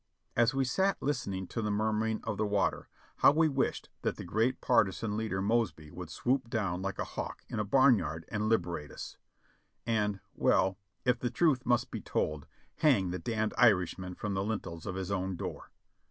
As we sat listening to the murmuring of the water, how we wished that the great partisan leader Mosby would swoop down like a hawk in a barnyard and liberate us, and — well, if the truth must be told, hang the damned Irishman from the lintels of his own door.